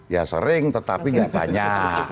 ya sering tetapi gak banyak